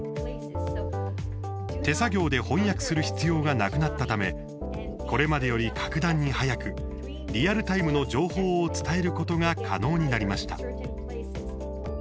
手作業で翻訳する必要がなくなったためこれまでより格段に早くリアルタイムの情報を伝えることが可能になりました。